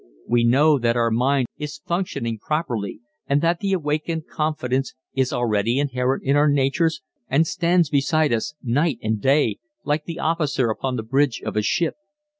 We know that our mind is functioning properly and that the awakened confidence is already inherent in our natures and stands beside us night and day like the officer upon the bridge of the ship.